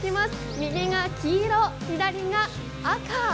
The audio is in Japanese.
右が黄色、左が赤。